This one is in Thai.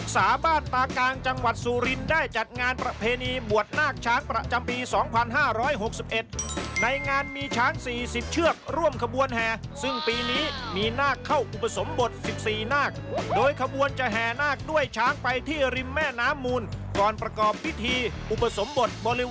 สวัสดีครับสวัสดีครับ